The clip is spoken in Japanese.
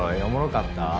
おもろかった？